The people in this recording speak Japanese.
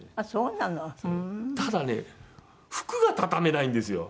ただね服が畳めないんですよ。